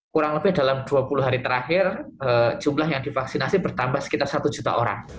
kurang lebih dalam dua puluh hari terakhir jumlah yang divaksinasi bertambah sekitar satu juta orang